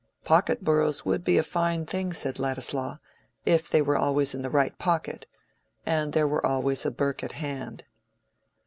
"Pocket boroughs would be a fine thing," said Ladislaw, "if they were always in the right pocket, and there were always a Burke at hand."